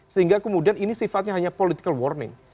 sehingga kemudian ini sifatnya hanya political warning